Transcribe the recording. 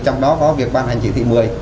trong đó có việc ban hành chỉ thị một mươi